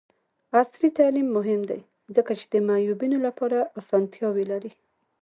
عصري تعلیم مهم دی ځکه چې د معیوبینو لپاره اسانتیاوې لري.